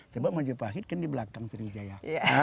coba menjepahkan di belakang seri jaya